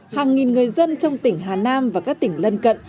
hàng nghìn người dân trong tỉnh hà nam và các tỉnh lân cận